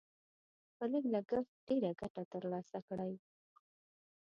په لږ لګښت ډېره ګټه تر لاسه کړئ.